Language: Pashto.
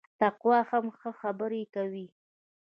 تقوا هم ښه خبري کوي